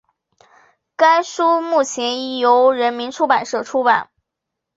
该书日前已由人民出版社出版